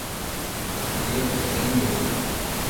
مجھے کچھ دن دو۔